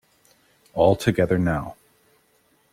All together now.